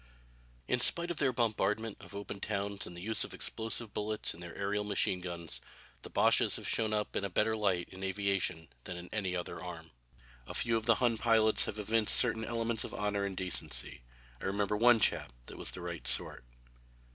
In spite of their bombardment of open towns and the use of explosive bullets in their aërial machine guns, the Boches have shown up in a better light in aviation than in any other arm. A few of the Hun pilots have evinced certain elements of honor and decency. I remember one chap that was the right sort.